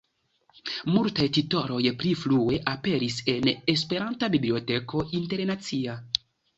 Multaj titoloj pli frue aperis en Esperanta Biblioteko Internacia.